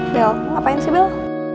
bel ngapain sih bel